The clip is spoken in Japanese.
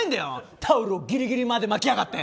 タオルをギリギリまで巻きやがって。